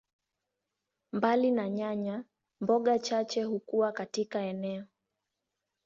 Mbali na nyanya, mboga chache hukua katika eneo.